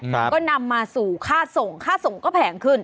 ก็นำมาสู่ค่าส่งค่าส่งก็แพงขึ้น